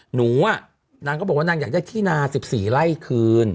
หนูนางก็บอกว่านางอยากได้ที่นา๑๔ไร่คืน